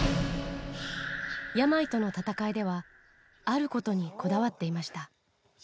病との闘いでは、あることにこだわっていました。